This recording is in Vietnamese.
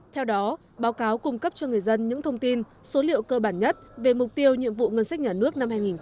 theo đó báo cáo cung cấp cho người dân những thông tin số liệu cơ bản nhất về mục tiêu nhiệm vụ ngân sách nhà nước năm hai nghìn hai mươi